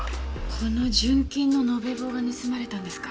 この純金の延べ棒が盗まれたんですか？